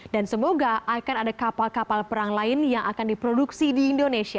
dan semoga akan ada kapal kapal perang lain yang akan diproduksi di indonesia